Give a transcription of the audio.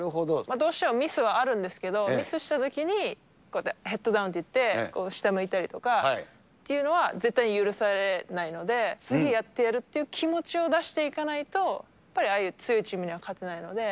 どうしてもミスはあるんですけれども、ミスしたときに、こうやってヘッドダウンっていって、下向いたりとかっていうのは絶対許されないので、次やってやるっていう気持ちを出していかないと、やっぱりああいう強いチームには勝てないので。